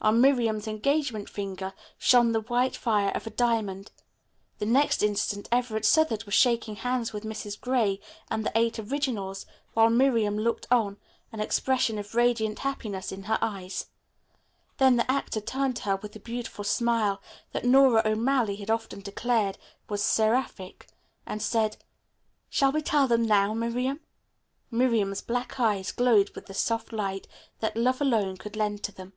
On Miriam's engagement finger shone the white fire of a diamond. The next instant Everett Southard was shaking hands with Mrs. Gray and the Eight Originals, while Miriam looked on, an expression of radiant happiness in her eyes. Then the actor turned to her with the beautiful smile, that Nora O'Malley had often declared was seraphic, and said: "Shall we tell them now, Miriam?" Miriam's black eyes glowed with the soft light that love alone could lend to them.